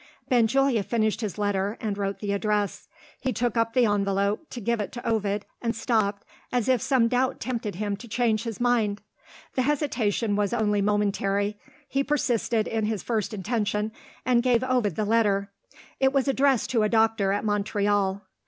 Benjulia finished his letter, and wrote the address. He took up the envelope, to give it to Ovid and stopped, as if some doubt tempted him to change his mind. The hesitation was only momentary. He persisted in his first intention, and gave Ovid the letter. It was addressed to a doctor at Montreal.